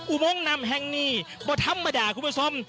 อุโมงนำแห่งนี้บ่ธรรมดาคุณผู้ชม